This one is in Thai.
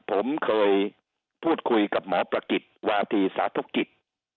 ผมเคยพูดคุยกับหมอประกิจวาธีสาธุกิจ